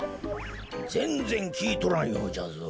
ぜんぜんきいとらんようじゃぞ。